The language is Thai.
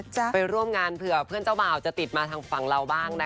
ไปร่วมงานเผื่อเพื่อนเจ้าบ่าวจะติดมาทางฝั่งเราบ้างนะคะ